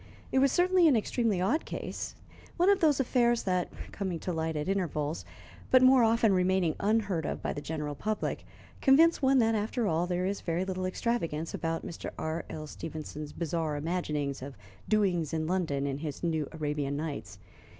It was certainly an extremely odd case one of those affairs that, coming to light at intervals, but more often remaining unheard of by the general public, convince one that, after all, there is very little extravagance about Mr. R.L. Stevenson's bizarre imaginings of doings in London in his "New Arabian Nights."